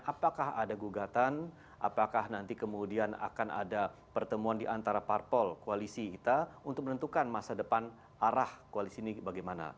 apakah ada gugatan apakah nanti kemudian akan ada pertemuan di antara parpol koalisi kita untuk menentukan masa depan arah koalisi ini bagaimana